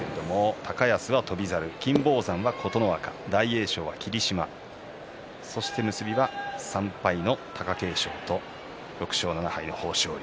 高安は翔猿、金峰山は琴ノ若大栄翔は霧島、そして結びは３敗の貴景勝と６勝７敗の豊昇龍。